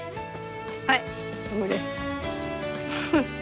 はい。